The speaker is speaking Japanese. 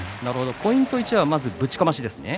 ポイント１はまずぶちかましですね。